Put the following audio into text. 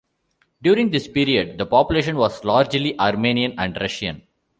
During this period, the population was largely Armenian and Russian.